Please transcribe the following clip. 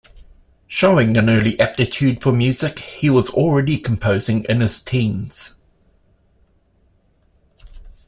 Showing an early aptitude for music, he was already composing in his teens.